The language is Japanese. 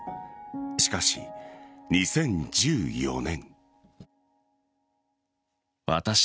しかし、２０１４年。